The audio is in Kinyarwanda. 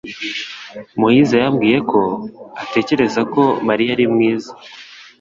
Moise yambwiye ko atekereza ko Mariya ari mwiza.